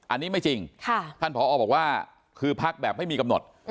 อันนี้ไม่จริงท่านผอบอกว่าคือพักแบบไม่มีกำหนด